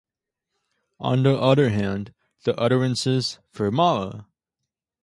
On the other hand, the utterances For Mama!